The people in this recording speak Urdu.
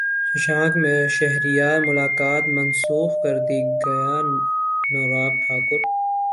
ششانک شہریار ملاقات منسوخ کردی گئیانوراگ ٹھاکر